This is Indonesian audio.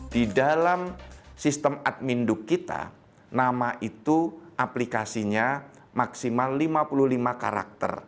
di dalam sistem admin duk kita nama itu aplikasinya maksimal lima puluh lima karakter